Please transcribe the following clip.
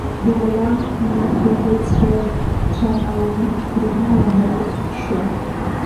د غلام په قیمت کې هیڅ ډول چنه ونه وهل شوه.